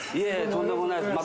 とんでもないです。